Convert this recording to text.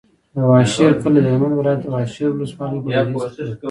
د واشر کلی د هلمند ولایت، واشر ولسوالي په لویدیځ کې پروت دی.